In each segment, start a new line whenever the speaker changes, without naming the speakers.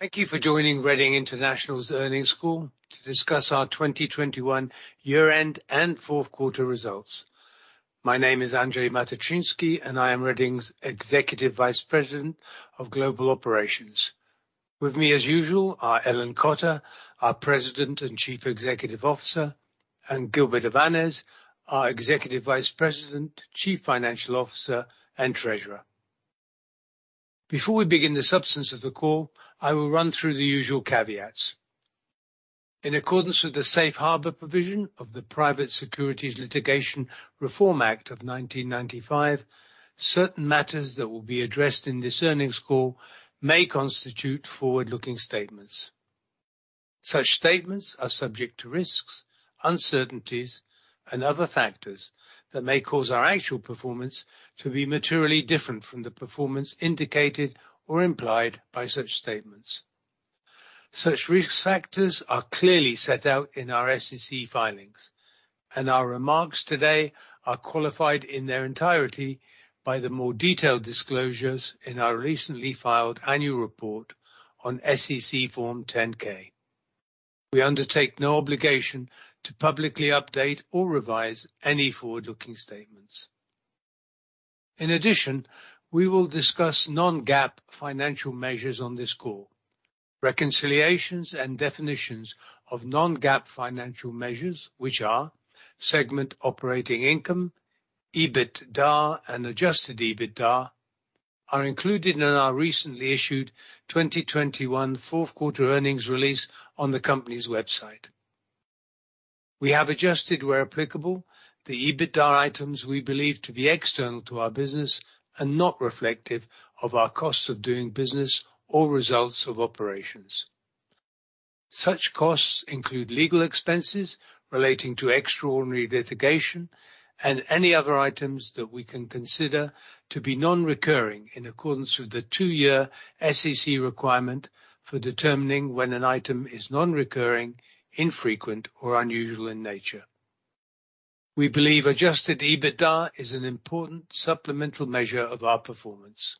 Thank you for joining Reading International's Earnings Call to discuss our 2021 year-end and fourth quarter results. My name is Andrzej Matyczynski, and I am Reading's Executive Vice President of Global Operations. With me as usual are Ellen Cotter, our President and Chief Executive Officer, and Gilbert Avanes, our Executive Vice President, Chief Financial Officer, and Treasurer. Before we begin the substance of the call, I will run through the usual caveats. In accordance with the safe harbor provision of the Private Securities Litigation Reform Act of 1995, certain matters that will be addressed in this earnings call may constitute forward-looking statements. Such statements are subject to risks, uncertainties, and other factors that may cause our actual performance to be materially different from the performance indicated or implied by such statements. Such risk factors are clearly set out in our SEC filings, and our remarks today are qualified in their entirety by the more detailed disclosures in our recently filed annual report on Form 10-K. We undertake no obligation to publicly update or revise any forward-looking statements. In addition, we will discuss non-GAAP financial measures on this call. Reconciliations and definitions of non-GAAP financial measures, which are segment operating income, EBITDA, and Adjusted EBITDA, are included in our recently issued 2021 fourth quarter earnings release on the company's website. We have adjusted where applicable, the EBITDA items we believe to be external to our business and not reflective of our costs of doing business or results of operations. Such costs include legal expenses relating to extraordinary litigation and any other items that we can consider to be non-recurring in accordance with the two-year SEC requirement for determining when an item is non-recurring, infrequent, or unusual in nature. We believe adjusted EBITDA is an important supplemental measure of our performance.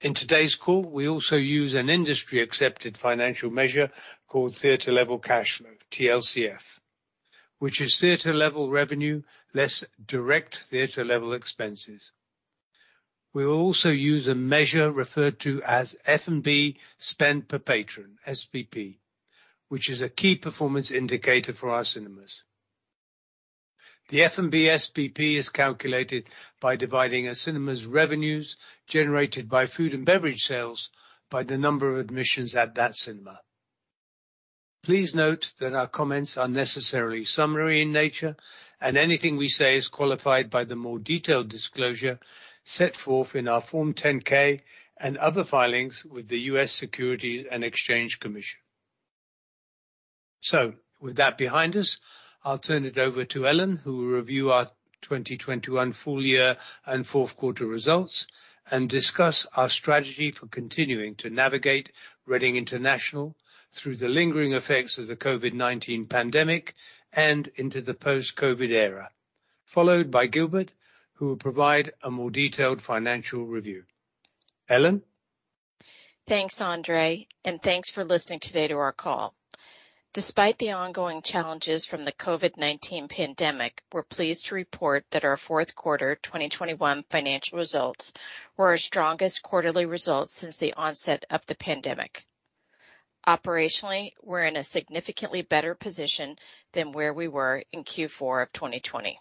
In today's call, we also use an industry-accepted financial measure called theater level cash flow, TLCF, which is theater level revenue less direct theater-level expenses. We will also use a measure referred to as F&B Spend per Patron, SPP, which is a key performance indicator for our cinemas. The F&B SPP is calculated by dividing a cinema's revenues generated by food and beverage sales by the number of admissions at that cinema. Please note that our comments are necessarily summary in nature, and anything we say is qualified by the more detailed disclosure set forth in our Form 10-K and other filings with the U.S. Securities and Exchange Commission. With that behind us, I'll turn it over to Ellen, who will review our 2021 full year and fourth quarter results and discuss our strategy for continuing to navigate Reading International through the lingering effects of the COVID-19 pandemic and into the post-COVID era, followed by Gilbert, who will provide a more detailed financial review. Ellen.
Thanks, Andrzej, and thanks for listening today to our call. Despite the ongoing challenges from the COVID-19 pandemic, we're pleased to report that our fourth quarter 2021 financial results were our strongest quarterly results since the onset of the pandemic. Operationally, we're in a significantly better position than where we were in Q4 of 2020.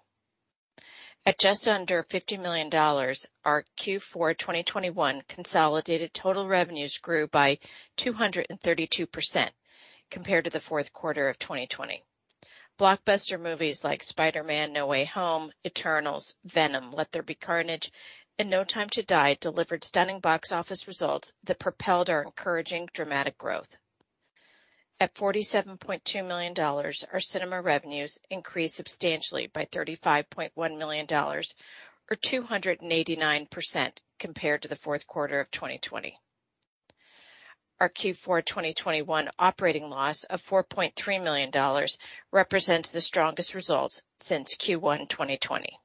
At just under $50 million, our Q4 2021 consolidated total revenues grew by 232% compared to the fourth quarter of 2020. Blockbuster movies like Spider-Man: No Way Home, Eternals, Venom: Let There Be Carnage, and No Time to Die delivered stunning box office results that propelled our encouraging dramatic growth. At $47.2 million, our cinema revenues increased substantially by $35.1 million or 289% compared to the fourth quarter of 2020. Our Q4 2021 operating loss of $4.3 million represents the strongest results since Q1 2020.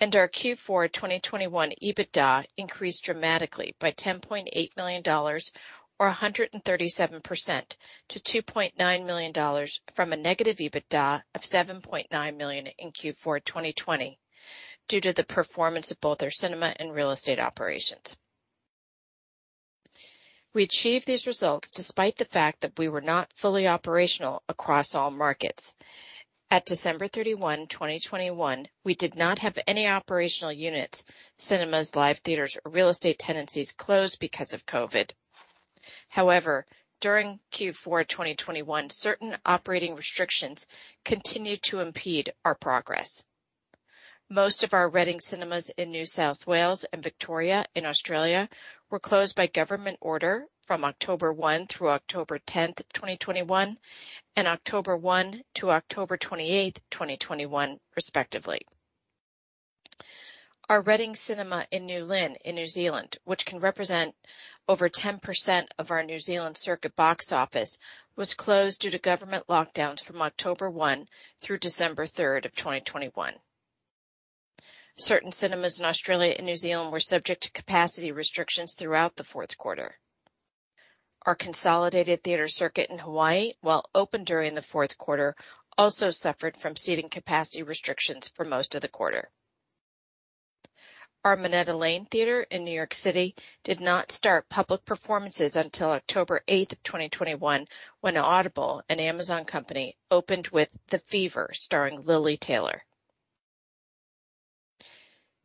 Our Q4 2021 EBITDA increased dramatically by $10.8 million or 137% to $2.9 million from a negative EBITDA of $7.9 million in Q4 2020 due to the performance of both our cinema and real estate operations. We achieved these results despite the fact that we were not fully operational across all markets. At December 31, 2021, we did not have any operational units, cinemas, live theaters, or real estate tenancies closed because of COVID. However, during Q4 2021, certain operating restrictions continued to impede our progress. Most of our Reading Cinemas in New South Wales and Victoria in Australia were closed by government order from October 1 to October 10, 2021 and October 1 to October 28, 2021, respectively. Our Reading Cinema in New Lynn in New Zealand, which can represent over 10% of our New Zealand circuit box office, was closed due to government lockdowns from October 1 to December 3rd of 2021. Certain cinemas in Australia and New Zealand were subject to capacity restrictions throughout the fourth quarter. Our consolidated theater circuit in Hawaii, while open during the fourth quarter, also suffered from seating capacity restrictions for most of the quarter. Our Minetta Lane Theater in New York City did not start public performances until October 8, 2021 when Audible, an Amazon company, opened with The Fever starring Lili Taylor.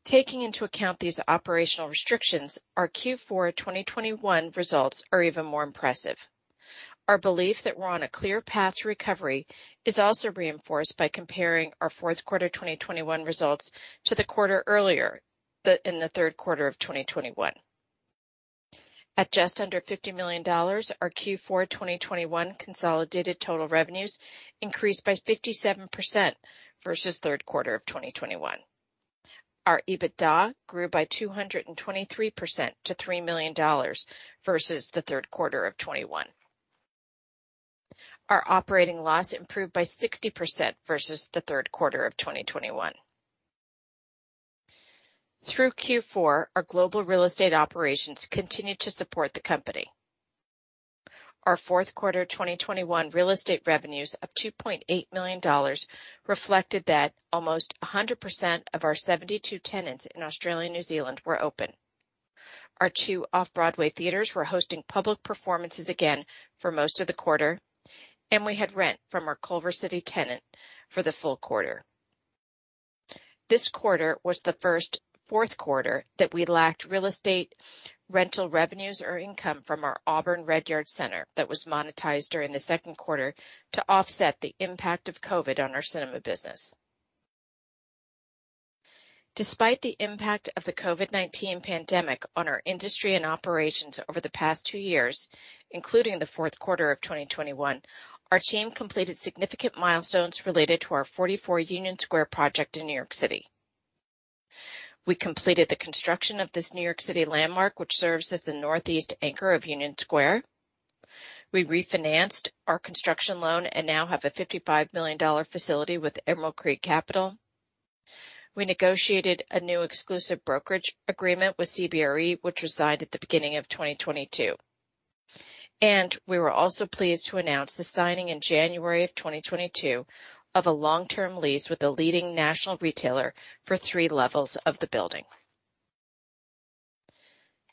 Taking into account these operational restrictions, our Q4 2021 results are even more impressive. Our belief that we're on a clear path to recovery is also reinforced by comparing our Q4 2021 results to the quarter earlier in Q3 2021. At just under $50 million, our Q4 2021 consolidated total revenues increased by 57% versus Q3 2021. Our EBITDA grew by 223% to $3 million versus Q3 2021. Our operating loss improved by 60% versus Q3 2021. Through Q4, our global real estate operations continued to support the company. Our Q4 2021 real estate revenues of $2.8 million reflected that almost 100% of our 72 tenants in Australia and New Zealand were open. Our two off-Broadway theaters were hosting public performances again for most of the quarter, and we had rent from our Culver City tenant for the full quarter. This quarter was the first fourth quarter that we lacked real estate rental revenues or income from our Auburn Redyard center that was monetized during the second quarter to offset the impact of COVID-19 on our cinema business. Despite the impact of the COVID-19 pandemic on our industry and operations over the past two years, including the fourth quarter of 2021, our team completed significant milestones related to our 44 Union Square project in New York City. We completed the construction of this New York City landmark, which serves as the northeast anchor of Union Square. We refinanced our construction loan and now have a $55 million facility with Emerald Creek Capital. We negotiated a new exclusive brokerage agreement with CBRE, which reside at the beginning of 2022. We were also pleased to announce the signing in January 2022 of a long-term lease with a leading national retailer for three levels of the building.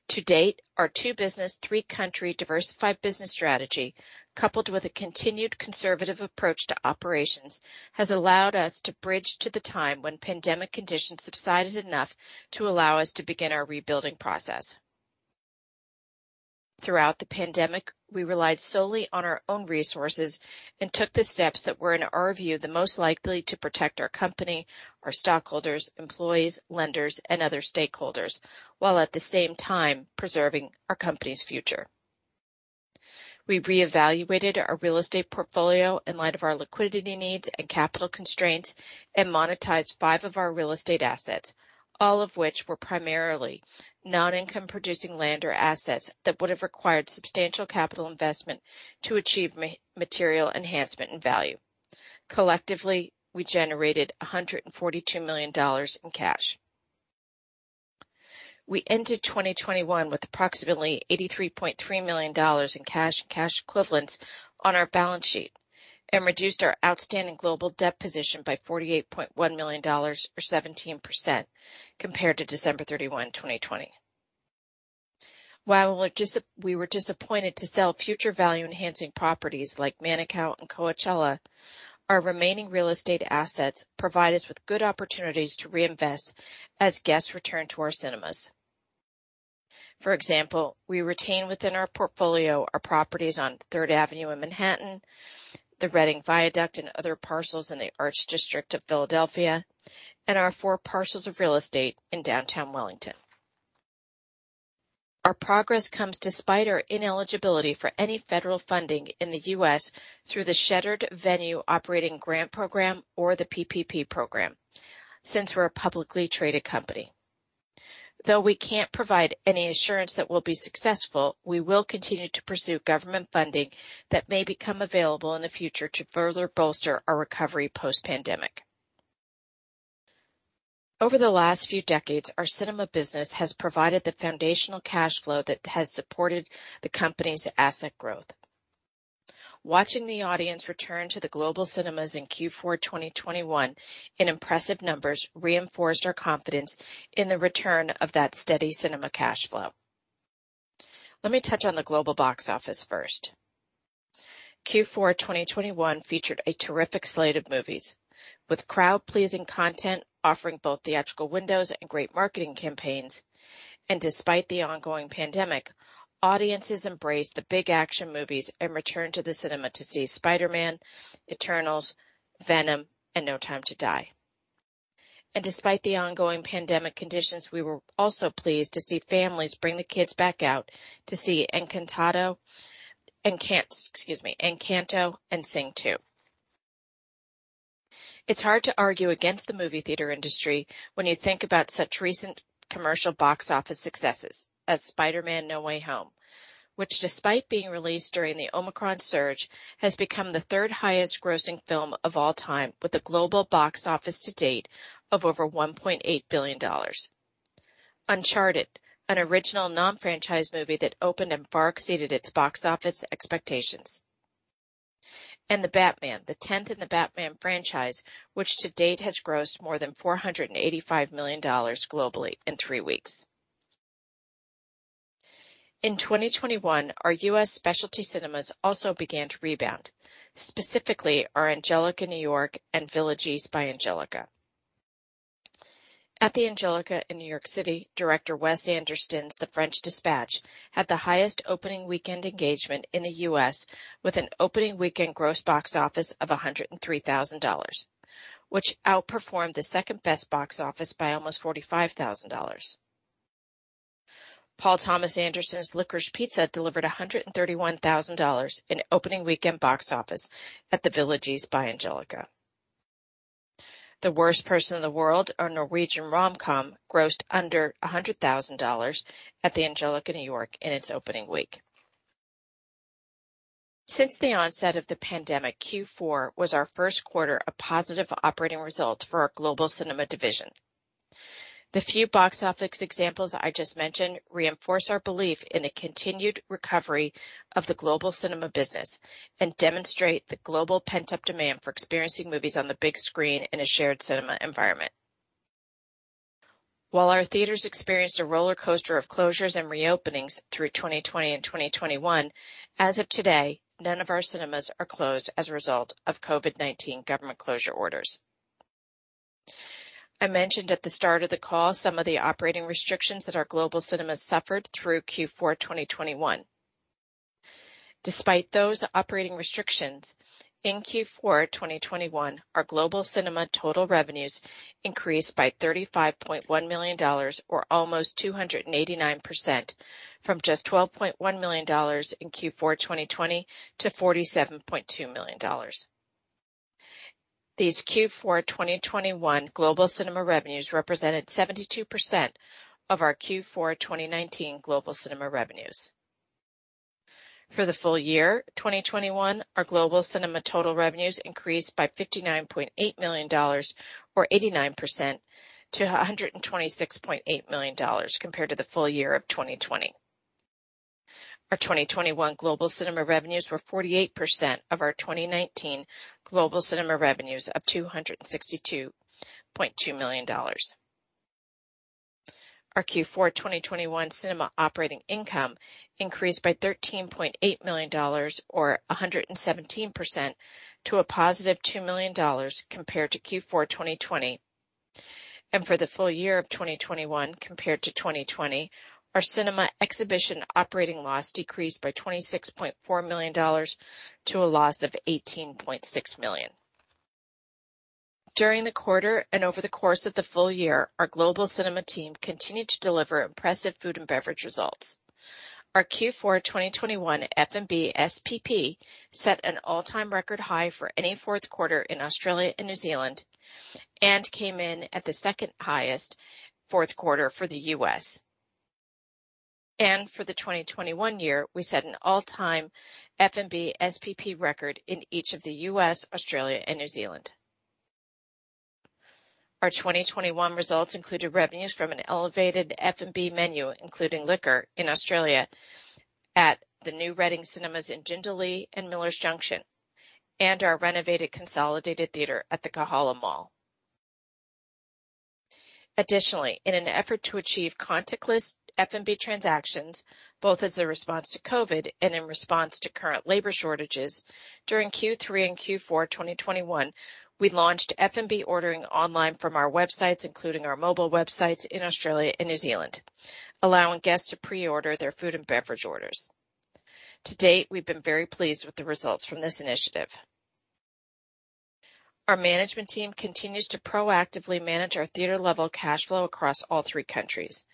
To date, our two business, three country diversified business strategy, coupled with a continued conservative approach to operations, has allowed us to bridge to the time when pandemic conditions subsided enough to allow us to begin our rebuilding process. Throughout the pandemic, we relied solely on our own resources and took the steps that were, in our view, the most likely to protect our company, our stockholders, employees, lenders, and other stakeholders while at the same time preserving our company's future. We reevaluated our real estate portfolio in light of our liquidity needs and capital constraints and monetized five of our real estate assets, all of which were primarily non-income producing land or assets that would have required substantial capital investment to achieve material enhancement and value. Collectively, we generated $142 million in cash. We ended 2021 with approximately $83.3 million in cash and cash equivalents on our balance sheet and reduced our outstanding global debt position by $48.1 million or 17% compared to December 31, 2020. While we were disappointed to sell future value-enhancing properties like Manukau and Coachella, our remaining real estate assets provide us with good opportunities to reinvest as guests return to our cinemas. For example, we retain within our portfolio our properties on Third Avenue in Manhattan, the Reading Viaduct and other parcels in the Arts District of Philadelphia, and our four parcels of real estate in downtown Wellington. Our progress comes despite our ineligibility for any federal funding in the U.S. through the Shuttered Venue Operators Grant program or the PPP program since we're a publicly traded company. Though we can't provide any assurance that we'll be successful, we will continue to pursue government funding that may become available in the future to further bolster our recovery post-pandemic. Over the last few decades, our cinema business has provided the foundational cash flow that has supported the company's asset growth. Watching the audience return to the global cinemas in Q4 2021 in impressive numbers reinforced our confidence in the return of that steady cinema cash flow. Let me touch on the global box office first. Q4 2021 featured a terrific slate of movies with crowd-pleasing content offering both theatrical windows and great marketing campaigns. Despite the ongoing pandemic, audiences embraced the big action movies and returned to the cinema to see Spider-Man, Eternals, Venom, and No Time to Die. Despite the ongoing pandemic conditions, we were also pleased to see families bring the kids back out to see Encanto and Sing 2. It's hard to argue against the movie theater industry when you think about such recent commercial box office successes as Spider-Man: No Way Home, which despite being released during the Omicron surge, has become the third highest grossing film of all time with a global box office to date of over $1.8 billion. Uncharted, an original non-franchise movie that opened and far exceeded its box office expectations. The Batman, the tenth in The Batman franchise, which to date has grossed more than $485 million globally in three weeks. In 2021, our U.S. specialty cinemas also began to rebound. Specifically, our Angelika New York and Village East by Angelika. At the Angelika in New York City, director Wes Anderson's The French Dispatch had the highest opening weekend engagement in the U.S. with an opening weekend gross box office of $103,000, which outperformed the second-best box office by almost $45,000. Paul Thomas Anderson's Licorice Pizza delivered $131,000 in opening weekend box office at the Village East by Angelika. The Worst Person in the World, our Norwegian Rom-Com, grossed under $100,000 at the Angelika New York in its opening week. Since the onset of the pandemic, Q4 was our first quarter of positive operating results for our global cinema division. The few box office examples I just mentioned reinforce our belief in the continued recovery of the global cinema business and demonstrate the global pent-up demand for experiencing movies on the big screen in a shared cinema environment. While our theaters experienced a roller coaster of closures and reopenings through 2020 and 2021, as of today, none of our cinemas are closed as a result of COVID-19 government closure orders. I mentioned at the start of the call some of the operating restrictions that our global cinema suffered through Q4 2021. Despite those operating restrictions, in Q4 2021, our global cinema total revenues increased by $35.1 million or almost 289% from just $12.1 million in Q4 2020 to $47.2 million. These Q4 2021 global cinema revenues represented 72% of our Q4 2019 global cinema revenues. For the full year 2021, our global cinema total revenues increased by $59.8 million or 89% to $126.8 million compared to the full year of 2020. Our 2021 global cinema revenues were 48% of our 2019 global cinema revenues of $262.2 million. Our Q4 2021 cinema operating income increased by $13.8 million or 117% to a positive $2 million compared to Q4 2020. For the full year of 2021 compared to 2020, our cinema exhibition operating loss decreased by $26.4 million to a loss of $18.6 million. During the quarter and over the course of the full year, our global cinema team continued to deliver impressive food and beverage results. Our Q4 2021 F&B SPP set an all-time record high for any fourth quarter in Australia and New Zealand, and came in at the second-highest fourth quarter for the U.S. For the 2021 year, we set an all-time F&B SPP record in each of the U.S., Australia, and New Zealand. Our 2021 results included revenues from an elevated F&B menu, including liquor in Australia at the new Reading Cinemas in Jindalee and Millers Junction, and our renovated consolidated theater at the Kahala Mall. Additionally, in an effort to achieve contactless F&B transactions, both as a response to COVID and in response to current labor shortages during Q3 and Q4 2021, we launched F&B ordering online from our websites, including our mobile websites in Australia and New Zealand, allowing guests to pre-order their food and beverage orders. To date, we've been very pleased with the results from this initiative. Our management team continues to proactively manage our theater level cash flow across all three countries.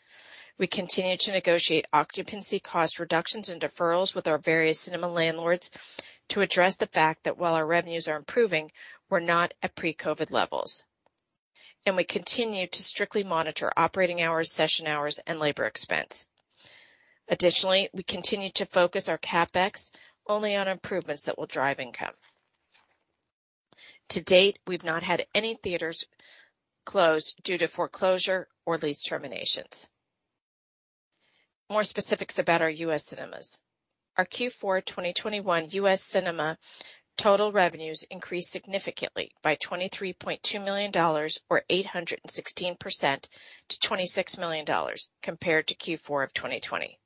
We continue to negotiate occupancy cost reductions and deferrals with our various cinema landlords to address the fact that while our revenues are improving, we're not at pre-COVID levels. We continue to strictly monitor operating hours, session hours, and labor expense. Additionally, we continue to focus our CapEx only on improvements that will drive income. To date, we've not had any theaters close due to foreclosure or lease terminations. More specifics about our U.S. cinemas. Our Q4 2021 U.S. cinema total revenues increased significantly by $23.2 million or 816% to $26 million compared to Q4 of 2020.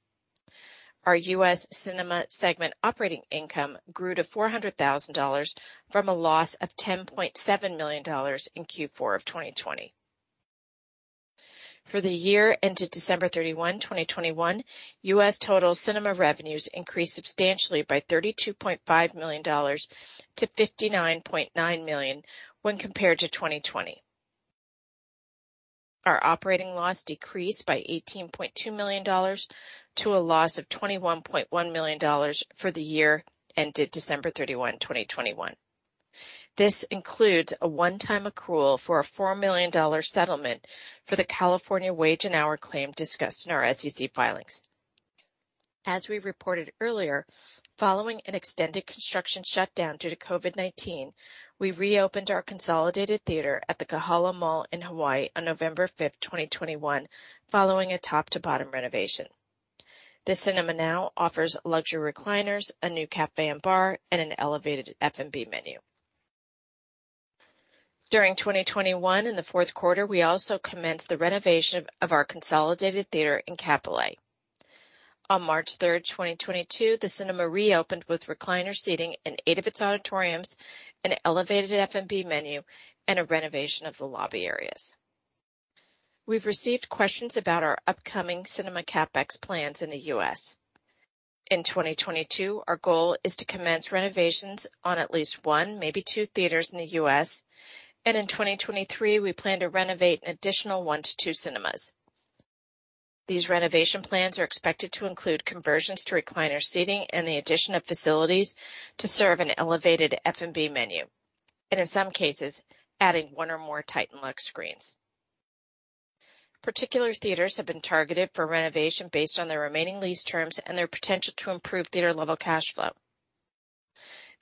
Our U.S. cinema segment operating income grew to $400,000 from a loss of $10.7 million in Q4 of 2020. For the year ended December 31, 2021, U.S. total cinema revenues increased substantially by $32.5 million to $59.9 million when compared to 2020. Our operating loss decreased by $18.2 million to a loss of $21.1 million for the year ended December 31, 2021. This includes a one-time accrual for a $4 million settlement for the California wage and hour claim discussed in our SEC filings. As we reported earlier, following an extended construction shutdown due to COVID-19, we reopened our consolidated theater at the Kahala Mall in Hawaii on November 5, 2021, following a top-to-bottom renovation. This cinema now offers luxury recliners, a new cafe and bar, and an elevated F&B menu. During 2021 in the fourth quarter, we also commenced the renovation of our consolidated theater in Kapolei. On March 3, 2022, the cinema reopened with recliner seating in eight of its auditoriums, an elevated F&B menu, and a renovation of the lobby areas. We've received questions about our upcoming cinema CapEx plans in the U.S. In 2022, our goal is to commence renovations on at least one, maybe two theaters in the U.S. In 2023, we plan to renovate an additional one to two cinemas. These renovation plans are expected to include conversions to recliner seating and the addition of facilities to serve an elevated F&B menu, and in some cases, adding one or more Titan Luxe screens. Particular theaters have been targeted for renovation based on their remaining lease terms and their potential to improve theater-level cash flow.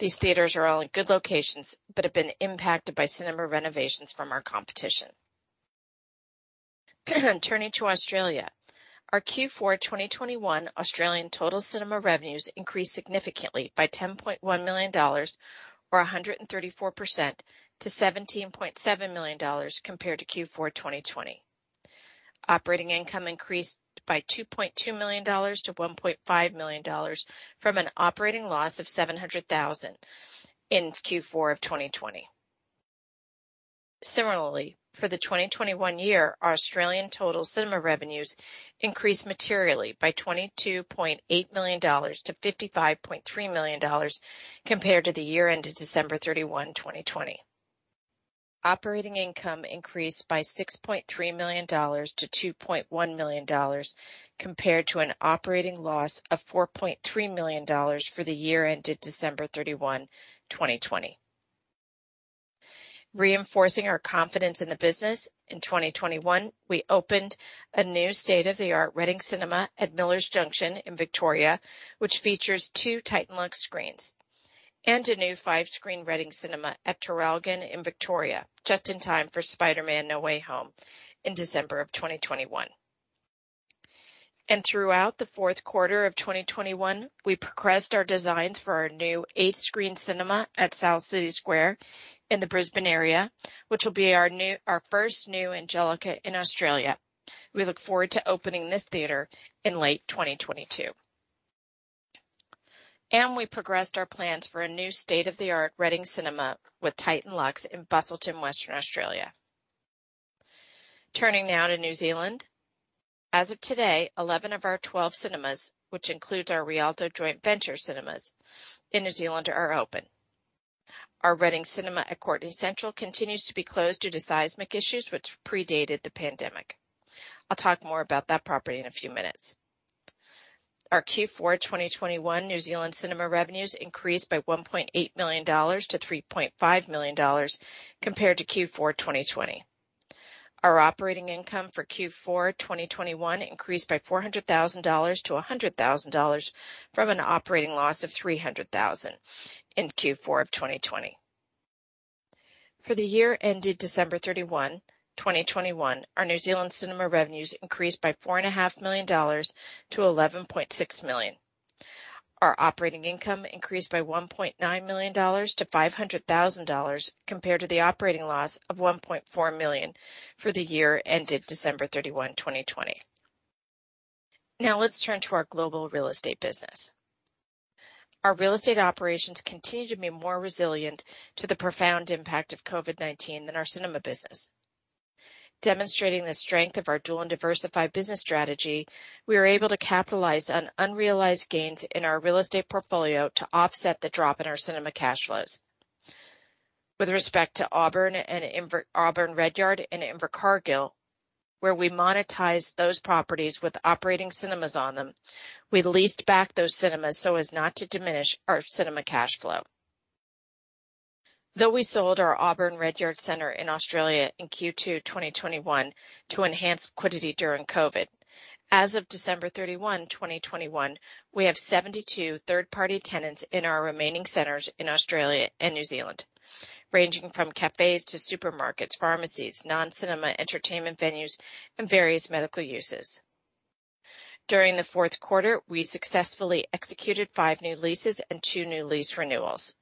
These theaters are all in good locations but have been impacted by cinema renovations from our competition. Turning to Australia, our Q4 2021 Australian total cinema revenues increased significantly by $10.1 million or 134% to $17.7 million compared to Q4 2020. Operating income increased by $2.2 million to $1.5 million from an operating loss of $700,000 in Q4 of 2020. Similarly, for the 2021 year, our Australian total cinema revenues increased materially by $22.8 million to $55.3 million compared to the year ended December 31, 2020. Operating income increased by $6.3 million to $2.1 million compared to an operating loss of $4.3 million for the year ended December 31, 2020. Reinforcing our confidence in the business, in 2021, we opened a new state-of-the-art Reading Cinemas at Millers Junction in Victoria, which features two Titan Luxe screens. A new five-screen Reading Cinemas at Traralgon in Victoria just in time for Spider-Man: No Way Home in December of 2021. Throughout the fourth quarter of 2021, we progressed our designs for our new eight-screen cinema at South City Square in the Brisbane area, which will be our first new Angelika in Australia. We look forward to opening this theater in late 2022. We progressed our plans for a new state-of-the-art Reading Cinemas with Titan Luxe in Busselton, Western Australia. Turning now to New Zealand. As of today, 11 of our 12 cinemas, which includes our Rialto Cinemas joint venture cinemas in New Zealand, are open. Our Reading Cinemas at Courtenay Central continues to be closed due to seismic issues, which predated the pandemic. I'll talk more about that property in a few minutes. Our Q4 2021 New Zealand cinema revenues increased by $1.8 million to $3.5 million compared to Q4 2020. Our operating income for Q4 2021 increased by $400,000 to $100,000 from an operating loss of $300,000 in Q4 of 2020. For the year ended December 31, 2021, our New Zealand cinema revenues increased by $4.5 million to $11.6 million. Our operating income increased by $1.9 million to $500,000 compared to the operating loss of $1.4 million for the year ended December 31, 2020. Now let's turn to our global real estate business. Our real estate operations continue to be more resilient to the profound impact of COVID-19 than our cinema business. Demonstrating the strength of our dual and diversified business strategy, we are able to capitalize on unrealized gains in our real estate portfolio to offset the drop in our cinema cash flows. With respect to Auburn Redyard and Invercargill, where we monetized those properties with operating cinemas on them, we leased back those cinemas so as not to diminish our cinema cash flow. Though we sold our Auburn Redyard in Australia in Q2 2021 to enhance liquidity during COVID, as of December 31, 2021, we have 72 third-party tenants in our remaining centers in Australia and New Zealand, ranging from cafes to supermarkets, pharmacies, non-cinema entertainment venues, and various medical uses. During the fourth quarter, we successfully executed five new leases and two new lease renewals.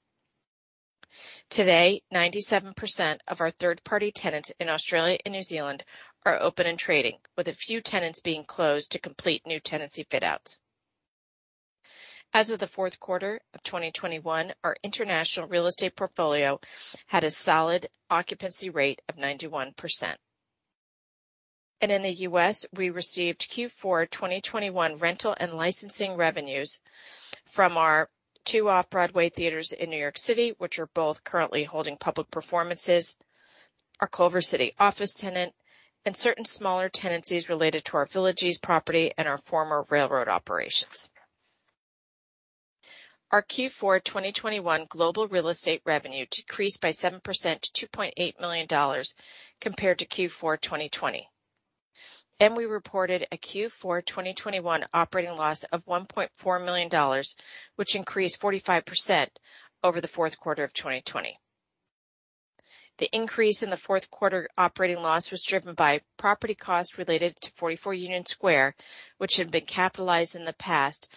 Today, 97% of our third-party tenants in Australia and New Zealand are open and trading, with a few tenants being closed to complete new tenancy fit outs. As of the fourth quarter of 2021, our international real estate portfolio had a solid occupancy rate of 91%. In the U.S., we received Q4 2021 rental and licensing revenues from our two Off-Broadway theaters in New York City, which are both currently holding public performances, our Culver City office tenant, and certain smaller tenancies related to our Villaggio property and our former railroad operations. Our Q4 2021 global real estate revenue decreased by 7% to $2.8 million compared to Q4 2020. We reported a Q4 2021 operating loss of $1.4 million, which increased 45% over the fourth quarter of 2020. The increase in the fourth quarter operating loss was driven by property costs related to 44 Union Square, which had been capitalized in the past,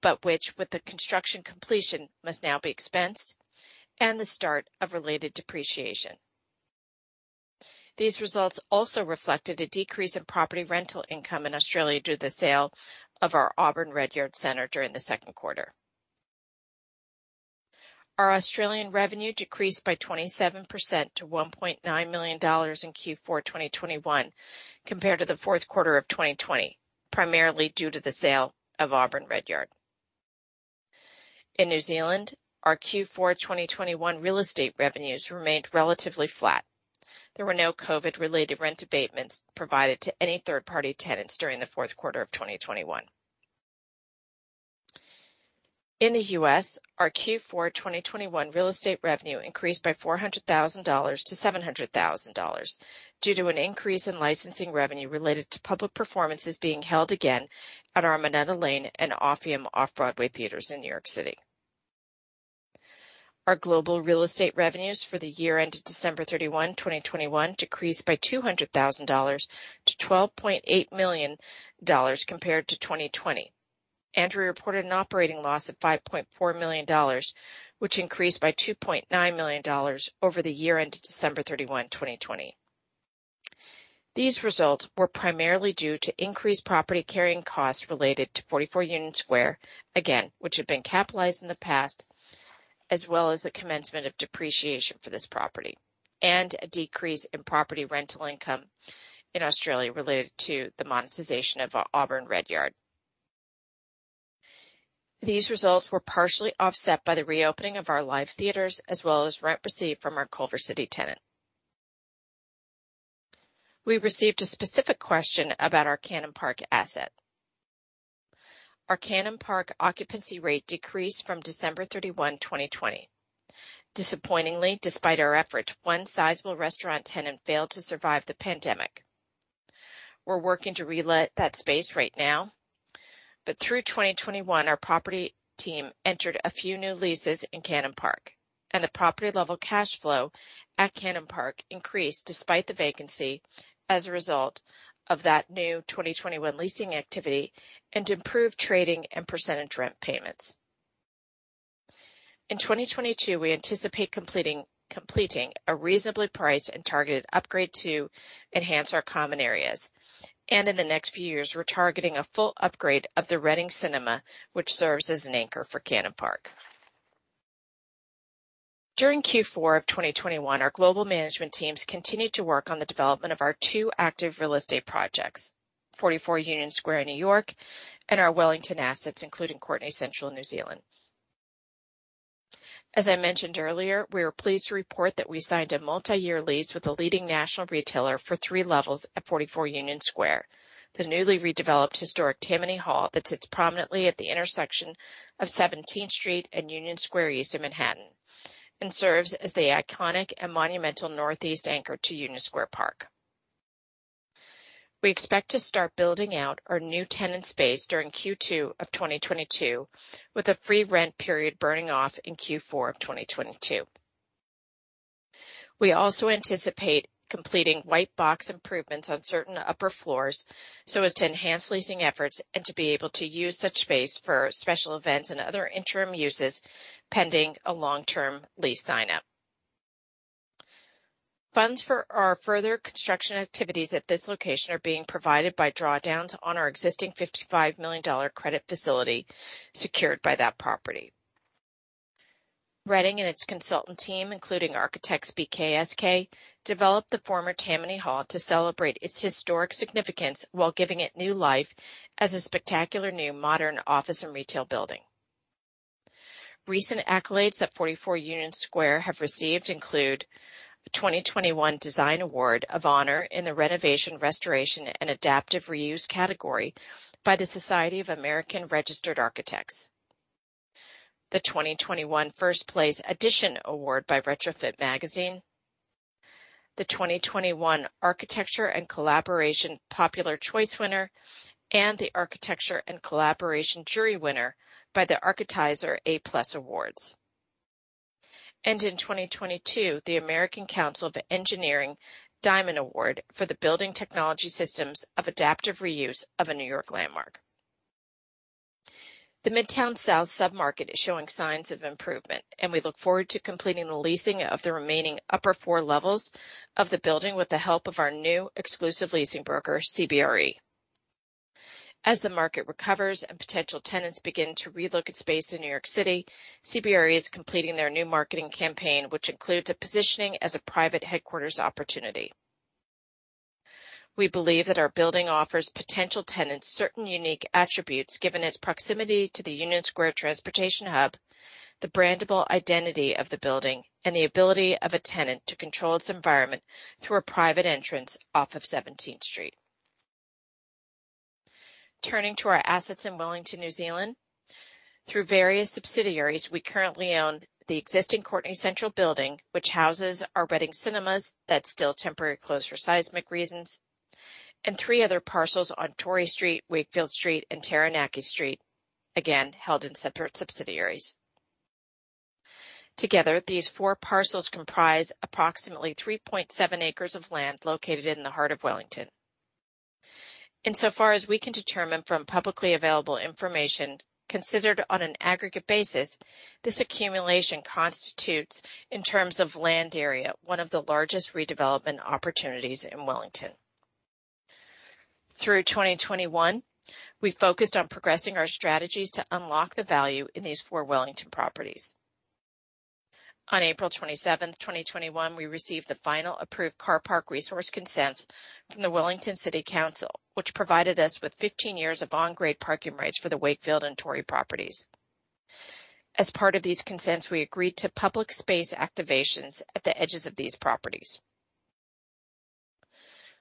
but which with the construction completion must now be expensed, and the start of related depreciation. These results also reflected a decrease in property rental income in Australia due to the sale of our Auburn Redyard during the second quarter. Our Australian revenue decreased by 27% to $1.9 million in Q4 2021 compared to the fourth quarter of 2020, primarily due to the sale of Auburn Redyard. In New Zealand, our Q4 2021 real estate revenues remained relatively flat. There were no COVID-related rent abatements provided to any third-party tenants during the fourth quarter of 2021. In the U.S., our Q4 2021 real estate revenue increased by $400,000 to $700,000 due to an increase in licensing revenue related to public performances being held again at our Minetta Lane and Orpheum Off-Broadway Theaters in New York City. Our global real estate revenues for the year ended December 31, 2021 decreased by $200,000 to $12.8 million compared to 2020. We reported an operating loss of $5.4 million, which increased by $2.9 million over the year ended December 31, 2020. These results were primarily due to increased property carrying costs related to 44 Union Square, again, which had been capitalized in the past, as well as the commencement of depreciation for this property, and a decrease in property rental income in Australia related to the monetization of our Auburn Redyard. These results were partially offset by the reopening of our live theaters as well as rent received from our Culver City tenant. We received a specific question about our Cannon Park asset. Our Cannon Park occupancy rate decreased from December 31, 2020. Disappointingly, despite our efforts, one sizable restaurant tenant failed to survive the pandemic. We're working to relet that space right now. Through 2021, our property team entered a few new leases in Cannon Park, and the property level cash flow at Cannon Park increased despite the vacancy as a result of that new 2021 leasing activity and improved trading and percentage rent payments. In 2022, we anticipate completing a reasonably priced and targeted upgrade to enhance our common areas. In the next few years, we're targeting a full upgrade of the Reading Cinema, which serves as an anchor for Cannon Park. During Q4 of 2021, our global management teams continued to work on the development of our two active real estate projects, 44 Union Square in New York and our Wellington assets, including Courtenay Central, New Zealand. As I mentioned earlier, we are pleased to report that we signed a multi-year lease with a leading national retailer for three levels at 44 Union Square, the newly redeveloped historic Tammany Hall that sits prominently at the intersection of 17th Street and Union Square East of Manhattan and serves as the iconic and monumental northeast anchor to Union Square Park. We expect to start building out our new tenant space during Q2 of 2022, with a free rent period burning off in Q4 of 2022. We also anticipate completing white box improvements on certain upper floors so as to enhance leasing efforts and to be able to use such space for special events and other interim uses pending a long-term lease sign-up. Funds for our further construction activities at this location are being provided by drawdowns on our existing $55 million credit facility secured by that property. Reading and its consultant team, including architects BKSK, developed the former Tammany Hall to celebrate its historic significance while giving it new life as a spectacular new modern office and retail building. Recent accolades that 44 Union Square have received include the 2021 Design Award of Honor in the Renovation, Restoration, and Adaptive Reuse category by the Society of American Registered Architects. The 2021 First Place Addition Award by Retrofit Magazine. The 2021 Architecture and Collaboration Popular Choice Winner and the Architecture and Collaboration Jury Winner by the Architizer A+Awards. In 2022, the American Council of Engineering Companies Diamond Award for the Building Technology Systems of Adaptive Reuse of a New York Landmark. The Midtown South submarket is showing signs of improvement, and we look forward to completing the leasing of the remaining upper four levels of the building with the help of our new exclusive leasing broker, CBRE. As the market recovers and potential tenants begin to relook at space in New York City, CBRE is completing their new marketing campaign, which includes a positioning as a private headquarters opportunity. We believe that our building offers potential tenants certain unique attributes given its proximity to the Union Square transportation hub, the brandable identity of the building, and the ability of a tenant to control its environment through a private entrance off of 17th Street. Turning to our assets in Wellington, New Zealand. Through various subsidiaries, we currently own the existing Courtenay Central building, which houses our Reading Cinemas that's still temporarily closed for seismic reasons, and three other parcels on Tory Street, Wakefield Street, and Taranaki Street, again held in separate subsidiaries. Together, these four parcels comprise approximately 3.7 acres of land located in the heart of Wellington. Insofar as we can determine from publicly available information considered on an aggregate basis, this accumulation constitutes, in terms of land area, one of the largest redevelopment opportunities in Wellington. Through 2021, we focused on progressing our strategies to unlock the value in these four Wellington properties. On April 27, 2021, we received the final approved car park resource consent from the Wellington City Council, which provided us with 15 years of on-grade parking rates for the Wakefield and Tory properties. As part of these consents, we agreed to public space activations at the edges of these properties.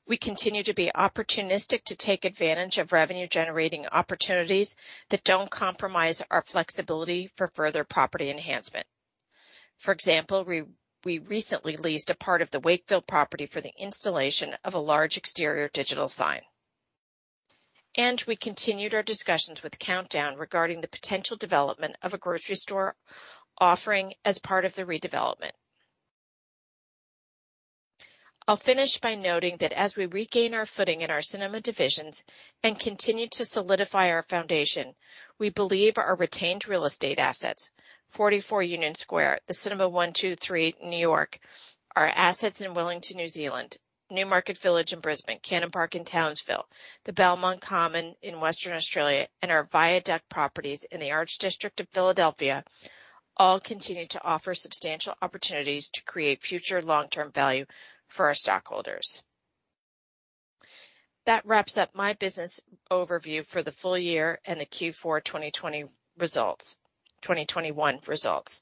We continue to be opportunistic to take advantage of revenue-generating opportunities that don't compromise our flexibility for further property enhancement. For example, we recently leased a part of the Wakefield property for the installation of a large exterior digital sign. We continued our discussions with Countdown regarding the potential development of a grocery store offering as part of the redevelopment. I'll finish by noting that as we regain our footing in our cinema divisions and continue to solidify our foundation, we believe our retained real estate assets 44 Union Square, the Cinema 123 New York, our assets in Wellington, New Zealand, Newmarket Village in Brisbane, Cannon Park in Townsville, the Belmont Common in Western Australia, and our Viaduct properties in the Arts District of Philadelphia all continue to offer substantial opportunities to create future long-term value for our stockholders. That wraps up my business overview for the full year and the Q4 2020 results, 2021 results.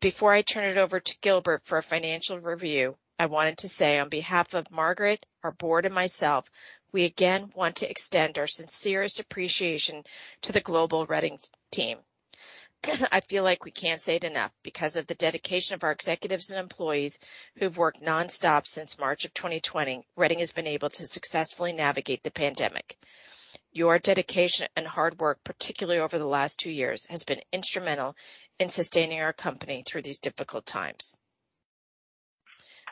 Before I turn it over to Gilbert for a financial review, I wanted to say, on behalf of Margaret, our board, and myself, we again want to extend our sincerest appreciation to the global Reading team. I feel like we can't say it enough. Because of the dedication of our executives and employees who've worked non-stop since March 2020, Reading has been able to successfully navigate the pandemic. Your dedication and hard work, particularly over the last two years, has been instrumental in sustaining our company through these difficult times.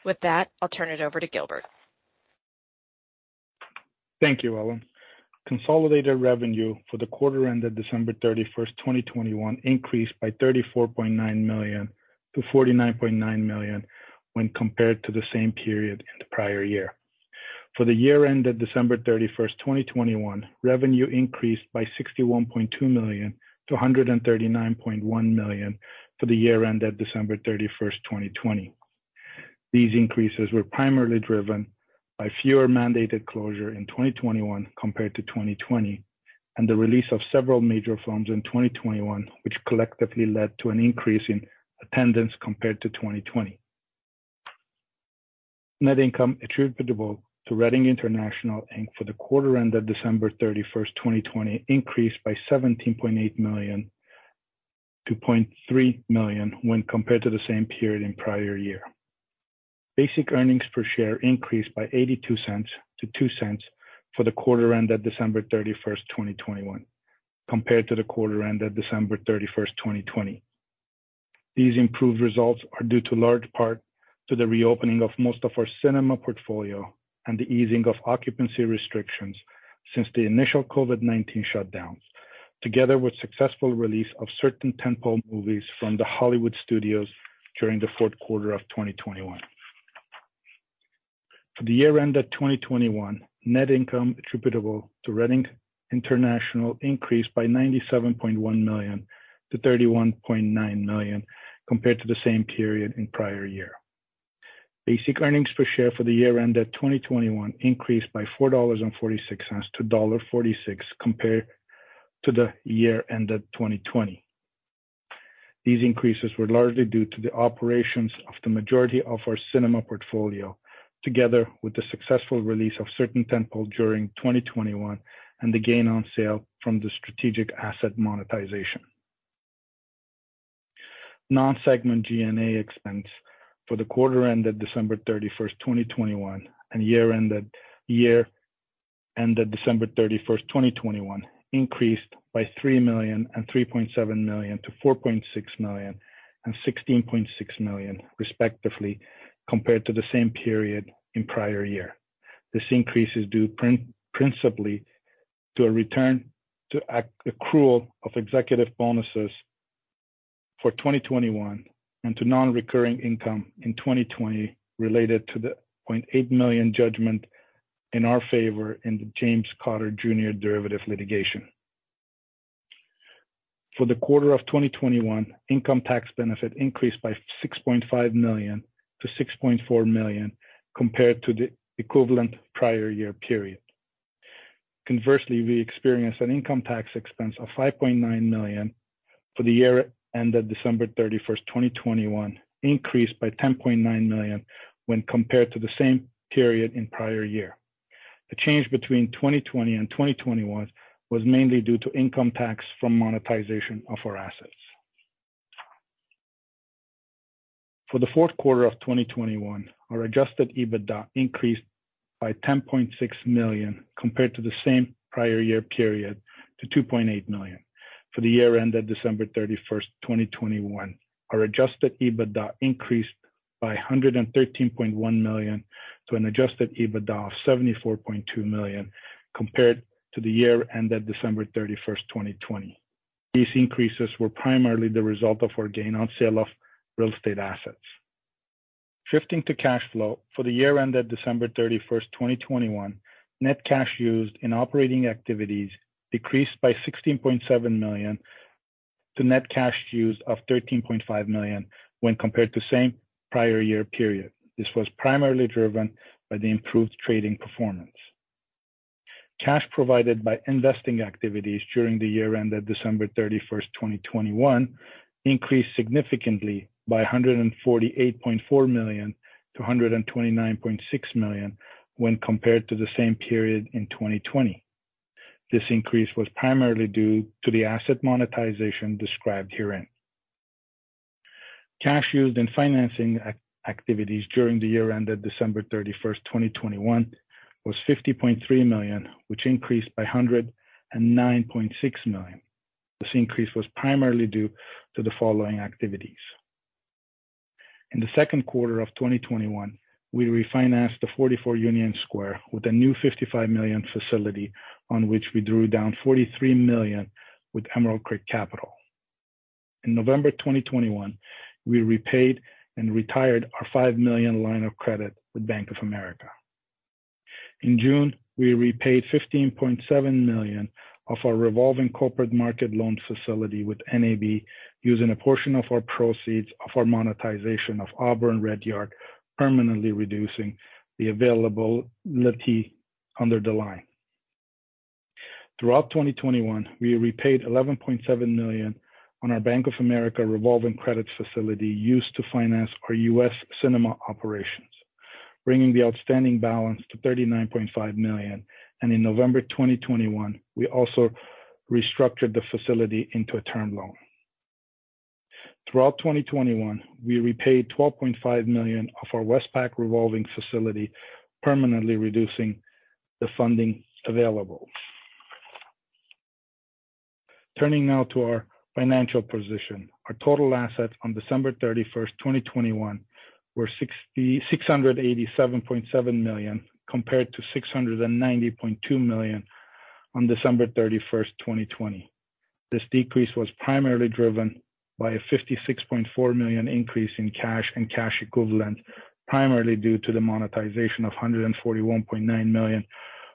With that, I'll turn it over to Gilbert.
Thank you, Ellen. Consolidated revenue for the quarter ended December 31st, 2021 increased by $34.9 million to $49.9 million when compared to the same period in the prior year. For the year ended December 31st, 2021, revenue increased by $61.2 million to $139.1 million for the year ended December 31st, 2020. These increases were primarily driven by fewer mandated closure in 2021 compared to 2020, and the release of several major films in 2021, which collectively led to an increase in attendance compared to 2020. Net income attributable to Reading International, Inc. for the quarter ended December 31st, 2021 increased by $17.8 million to $0.3 million when compared to the same period in prior year. Basic earnings per share increased by $0.82 to $0.02 for the quarter ended December 31, 2021 compared to the quarter ended December 31st, 2020. These improved results are due in large part to the reopening of most of our cinema portfolio and the easing of occupancy restrictions since the initial COVID-19 shutdowns, together with successful release of certain tent-pole movies from the Hollywood studios during the fourth quarter of 2021. For the year ended 2021, net income attributable to Reading International increased by $97.1 million to $31.9 million compared to the same period in prior year. Basic earnings per share for the year ended 2021 increased by $4.46 to $1.46 compared to the year ended 2020. These increases were largely due to the operations of the majority of our cinema portfolio, together with the successful release of certain tent-pole during 2021 and the gain on sale from the strategic asset monetization. Non-segment G&A expense for the quarter ended December 31st, 2021 and year ended December 31st, 2021 increased by $3 million and $3.7 million to $4.6 million and $16.6 million, respectively, compared to the same period in prior year. This increase is due principally to a return to accrual of executive bonuses for 2021 and to non-recurring income in 2020 related to the $0.8 million judgment in our favor in the James Cotter, Jr. derivative litigation. For the quarter of 2021, income tax benefit increased by $6.5 million to $6.4 million compared to the equivalent prior year period. Conversely, we experienced an income tax expense of $5.9 million for the year ended December 31st, 2021, increased by $10.9 million when compared to the same period in prior year. The change between 2020 and 2021 was mainly due to income tax from monetization of our assets. For the fourth quarter of 2021, our Adjusted EBITDA increased by $10.6 million compared to the same prior year period to $2.8 million. For the year ended December 31st, 2021, our Adjusted EBITDA increased by $113.1 million to an Adjusted EBITDA of $74.2 million compared to the year ended December 31st, 2020. These increases were primarily the result of our gain on sale of real estate assets. Shifting to cash flow. For the year ended December 31st, 2021, net cash used in operating activities decreased by $16.7 million to net cash used of $13.5 million when compared to same prior year period. This was primarily driven by the improved trading performance. Cash provided by investing activities during the year ended December 31st, 2021 increased significantly by $148.4 million to $129.6 million when compared to the same period in 2020. This increase was primarily due to the asset monetization described herein. Cash used in financing activities during the year ended December 31st, 2021 was $50.3 million, which increased by $109.6 million. This increase was primarily due to the following activities. In the second quarter of 2021, we refinanced the 44 Union Square with a new $55 million facility on which we drew down $43 million with Emerald Creek Capital. In November 2021, we repaid and retired our $5 million line of credit with Bank of America. In June, we repaid $15.7 million of our revolving corporate market loan facility with NAB using a portion of our proceeds of our monetization of Auburn Redyard, permanently reducing the availability under the line. Throughout 2021, we repaid $11.7 million on our Bank of America revolving credit facility used to finance our U.S. cinema operations, bringing the outstanding balance to $39.5 million. In November 2021, we also restructured the facility into a term loan. Throughout 2021, we repaid $12.5 million of our Westpac revolving facility, permanently reducing the funding available. Turning now to our financial position. Our total assets on December 31st, 2021 were $687.7 million, compared to $690.2 million on December 31st, 2020. This decrease was primarily driven by a $56.4 million increase in cash and cash equivalent, primarily due to the monetization of $141.9 million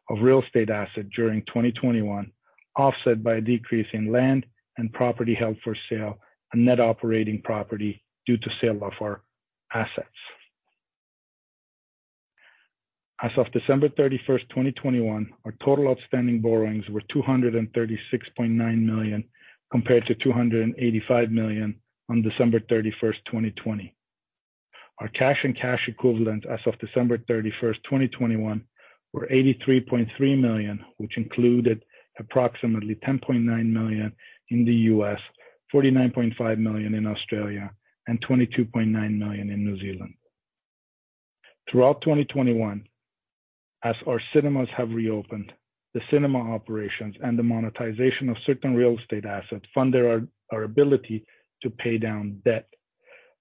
of real estate asset during 2021, offset by a decrease in land and property held for sale and net operating property due to sale of our assets. As of December 31st, 2021, our total outstanding borrowings were $236.9 million, compared to $285 million on December 31st, 2020. Our cash and cash equivalents as of December 31st, 2021 were $83.3 million, which included approximately $10.9 million in the U.S., 49.5 million in Australia and 22.9 million in New Zealand. Throughout 2021, as our cinemas have reopened, the cinema operations and the monetization of certain real estate assets funded our ability to pay down debt,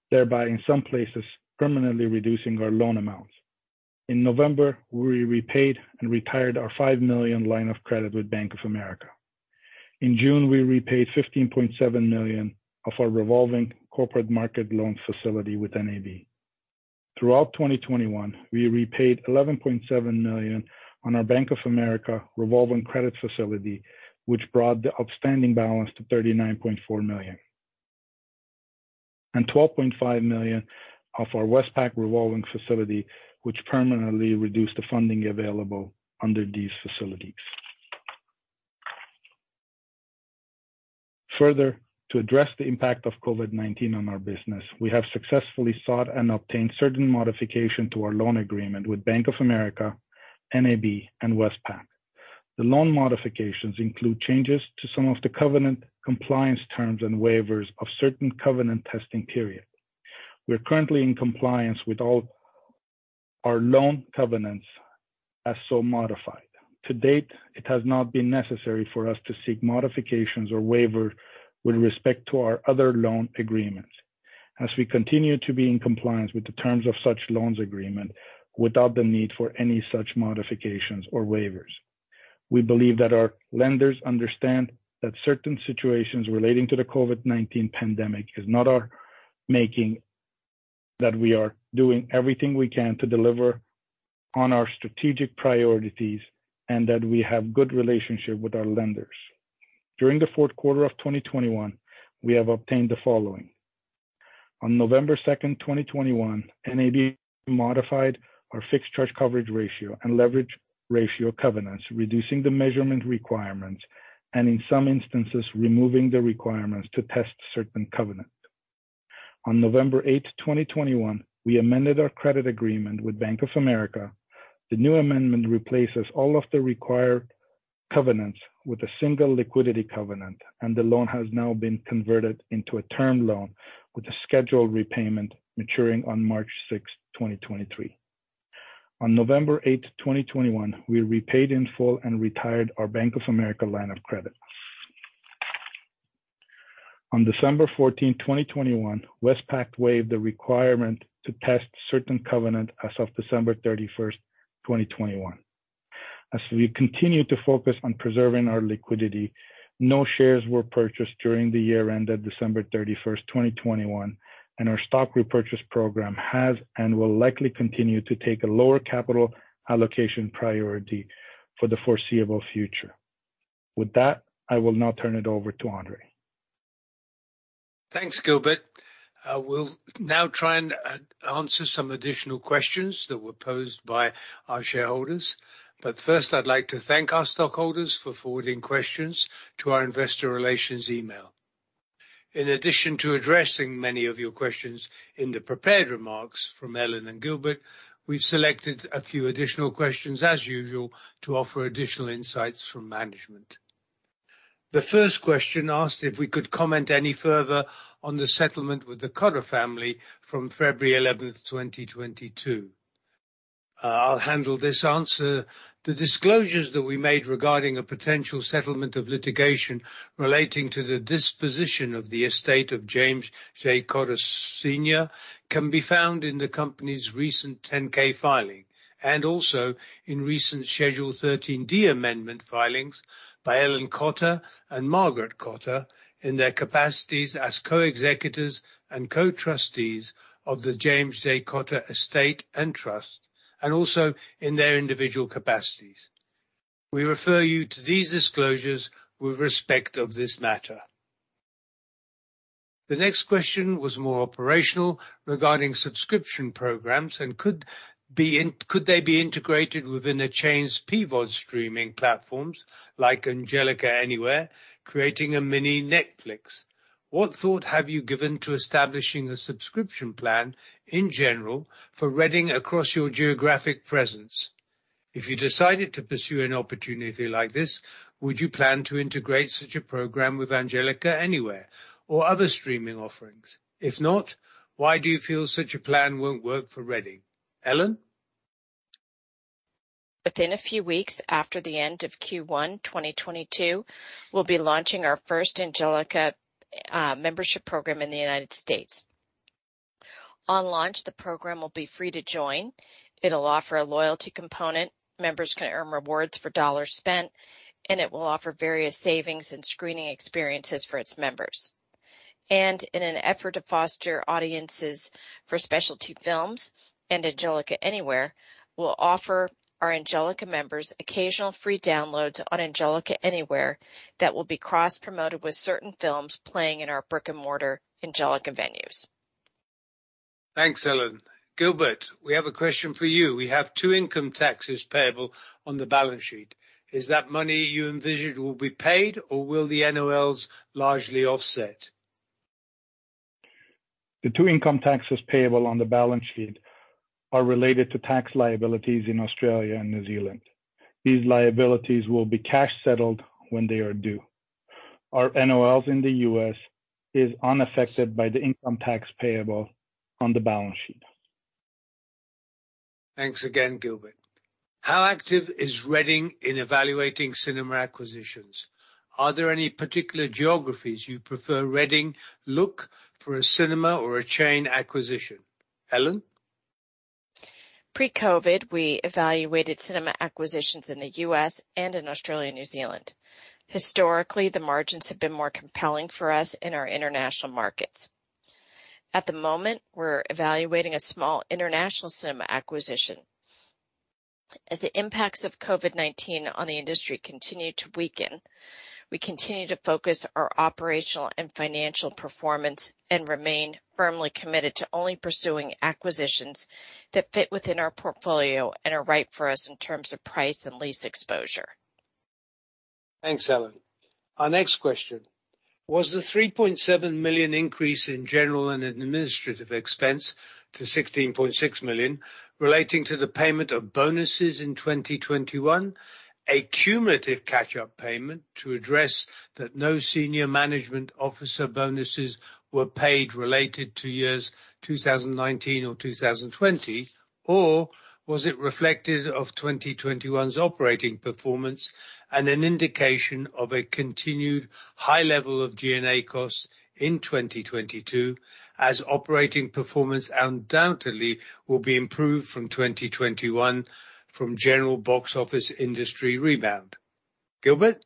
thereby in some places permanently reducing our loan amounts. In November, we repaid and retired our $5 million line of credit with Bank of America. In June, we repaid 15.7 million of our revolving corporate market loan facility with NAB. Throughout 2021, we repaid $11.7 million on our Bank of America revolving credit facility, which brought the outstanding balance to $39.4 million. $12.5 million of our Westpac revolving facility, which permanently reduced the funding available under these facilities. Further, to address the impact of COVID-19 on our business, we have successfully sought and obtained certain modifications to our loan agreements with Bank of America, NAB, and Westpac. The loan modifications include changes to some of the covenant compliance terms and waivers of certain covenant testing periods. We're currently in compliance with all our loan covenants as so modified. To date, it has not been necessary for us to seek modifications or waivers with respect to our other loan agreements as we continue to be in compliance with the terms of such loan agreements without the need for any such modifications or waivers. We believe that our lenders understand that certain situations relating to the COVID-19 pandemic is not our making, that we are doing everything we can to deliver on our strategic priorities and that we have good relationship with our lenders. During the fourth quarter of 2021, we have obtained the following. On November 2nd, 2021, NAB modified our fixed charge coverage ratio and leverage ratio covenants, reducing the measurement requirements and in some instances, removing the requirements to test certain covenants. On November 8th, 2021, we amended our credit agreement with Bank of America. The new amendment replaces all of the required covenants with a single liquidity covenant, and the loan has now been converted into a term loan with a scheduled repayment maturing on March 6th, 2023. On November 8th, 2021, we repaid in full and retired our Bank of America line of credit. On December 14th, 2021, Westpac waived the requirement to test certain covenant as of December 31st, 2021. As we continue to focus on preserving our liquidity, no shares were purchased during the year ended December 31st, 2021, and our stock repurchase program has and will likely continue to take a lower capital allocation priority for the foreseeable future. With that, I will now turn it over to Andrzej.
Thanks, Gilbert. We'll now try and answer some additional questions that were posed by our shareholders. First, I'd like to thank our stockholders for forwarding questions to our investor relations email. In addition to addressing many of your questions in the prepared remarks from Ellen and Gilbert, we've selected a few additional questions as usual to offer additional insights from management. The first question asked if we could comment any further on the settlement with the Cotter family from February 11, 2022. I'll handle this answer. The disclosures that we made regarding a potential settlement of litigation relating to the disposition of the estate of James J. Cotter Sr. can be found in the company's recent 10-K filing, and also in recent Schedule 13D amendment filings by Ellen Cotter and Margaret Cotter in their capacities as co-executors and co-trustees of the James J. Cotter estate and trust, and also in their individual capacities. We refer you to these disclosures with respect to this matter. The next question was more operational regarding subscription programs, and could they be integrated within a chain's PVOD streaming platforms like Angelika Anywhere, creating a mini Netflix? What thought have you given to establishing a subscription plan in general for Reading across your geographic presence? If you decided to pursue an opportunity like this, would you plan to integrate such a program with Angelika Anywhere or other streaming offerings? If not, why do you feel such a plan won't work for Reading? Ellen.
Within a few weeks after the end of Q1 2022, we'll be launching our first Angelika membership program in the United States. On launch, the program will be free to join. It'll offer a loyalty component. Members can earn rewards for dollars spent, and it will offer various savings and screening experiences for its members. In an effort to foster audiences for specialty films and Angelika Anywhere, we'll offer our Angelika members occasional free downloads on Angelika Anywhere that will be cross-promoted with certain films playing in our brick-and-mortar Angelika venues.
Thanks, Ellen. Gilbert, we have a question for you. We have two income taxes payable on the balance sheet. Is that money you envisioned will be paid or will the NOLs largely offset?
The two income taxes payable on the balance sheet are related to tax liabilities in Australia and New Zealand. These liabilities will be cash-settled when they are due. Our NOLs in the U.S. is unaffected by the income tax payable on the balance sheet.
Thanks again, Gilbert. How active is Reading in evaluating cinema acquisitions? Are there any particular geographies you prefer Reading look for a cinema or a chain acquisition? Ellen.
Pre-COVID, we evaluated cinema acquisitions in the U.S. and in Australia, New Zealand. Historically, the margins have been more compelling for us in our international markets. At the moment, we're evaluating a small international cinema acquisition. As the impacts of COVID-19 on the industry continue to weaken, we continue to focus our operational and financial performance and remain firmly committed to only pursuing acquisitions that fit within our portfolio and are right for us in terms of price and lease exposure.
Thanks, Ellen. Our next question. Was the $3.7 million increase in general and administrative expense to $16.6 million relating to the payment of bonuses in 2021 a cumulative catch-up payment to address that no senior management officer bonuses were paid related to years 2019 or 2020? Or was it reflective of 2021's operating performance and an indication of a continued high level of G&A costs in 2022 as operating performance undoubtedly will be improved from 2021 from general box office industry rebound? Gilbert.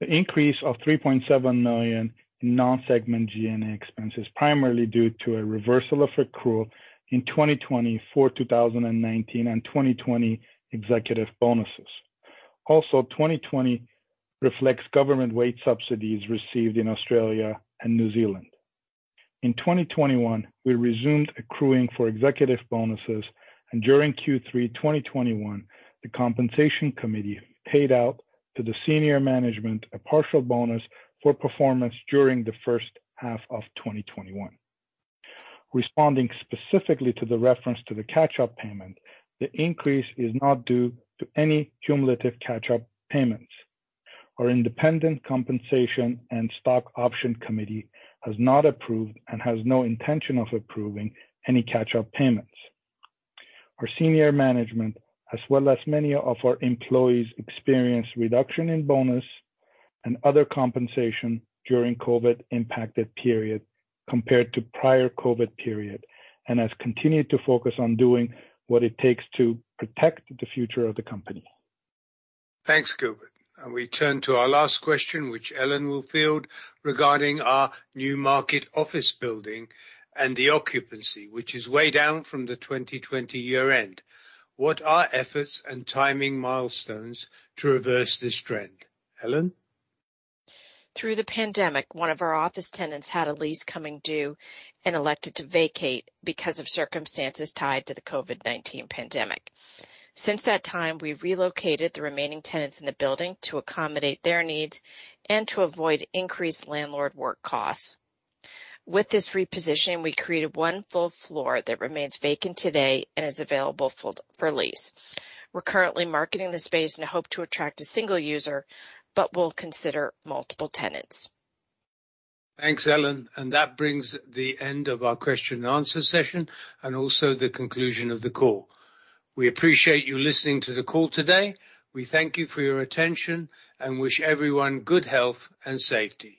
The increase of $3.7 million in non-segment G&A expense is primarily due to a reversal of accrual in 2020 for 2019 and 2020 executive bonuses. Also, 2020 reflects government wage subsidies received in Australia and New Zealand. In 2021, we resumed accruing for executive bonuses, and during Q3 2021, the compensation committee paid out to the senior management a partial bonus for performance during the first half of 2021. Responding specifically to the reference to the catch-up payment, the increase is not due to any cumulative catch-up payments. Our independent compensation and stock option committee has not approved and has no intention of approving any catch-up payments. Our senior management, as well as many of our employees, experienced reduction in bonus and other compensation during COVID impacted period compared to prior COVID period, and has continued to focus on doing what it takes to protect the future of the company.
Thanks, Gilbert. We turn to our last question, which Ellen will field regarding our new market office building and the occupancy, which is way down from the 2020 year end. What are efforts and timing milestones to reverse this trend? Ellen.
Through the pandemic, one of our office tenants had a lease coming due and elected to vacate because of circumstances tied to the COVID-19 pandemic. Since that time, we relocated the remaining tenants in the building to accommodate their needs and to avoid increased landlord work costs. With this repositioning, we created one full floor that remains vacant today and is available for lease. We're currently marketing the space and hope to attract a single user, but will consider multiple tenants.
Thanks, Ellen. That brings the end of our question and answer session and also the conclusion of the call. We appreciate you listening to the call today. We thank you for your attention and wish everyone good health and safety.